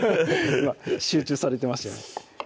今集中されてましたよね